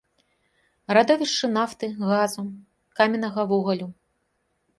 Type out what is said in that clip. Радовішчы нафты, газу, каменнага вугалю.